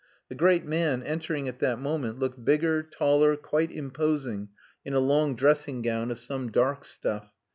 The great man, entering at that moment, looked bigger, taller, quite imposing in a long dressing gown of some dark stuff.